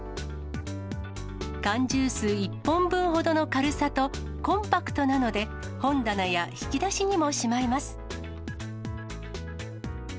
缶ジュース１本分ほどの軽さと、コンパクトなので、本棚や引き出しにもしまえます。